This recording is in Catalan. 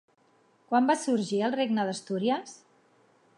Quan va sorgir el regne d'Astúries?